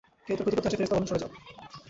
কেউ তার ক্ষতি করতে আসলে ফেরেশতা বলেন, সরে যাও।